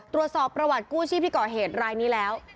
ตรวจสอบประวัติกู้ชีพที่ก่อเหตุรายนี้แล้ว